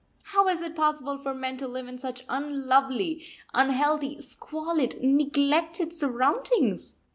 How is it possible for men to live in such unlovely, unhealthy, squalid, neglected surroundings?